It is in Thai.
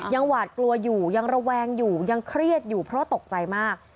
หวาดกลัวอยู่ยังระแวงอยู่ยังเครียดอยู่เพราะตกใจมาก